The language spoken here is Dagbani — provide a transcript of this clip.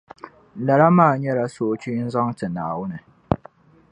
Lala maa nyɛla soochi n-zaŋ ti Naawuni.